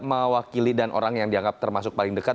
mewakili dan orang yang dianggap termasuk paling dekat